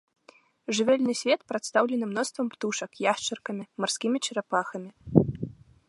Жывёльны свет прадстаўлены мноствам птушак, яшчаркамі, марскімі чарапахамі.